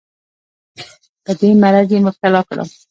په دې مرض یې مبتلا کړم.